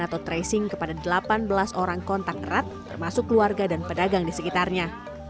atau tracing kepada delapan belas orang kontak erat termasuk keluarga dan pedagang di sekitarnya